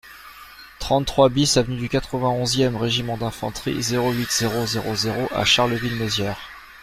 trente-trois BIS avenue du quatre-vingt-onze e Régiment d'Infanterie, zéro huit, zéro zéro zéro à Charleville-Mézières